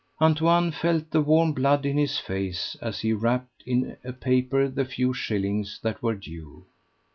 Antoine felt the warm blood in his face as he wrapped in a paper the few shillings that were due.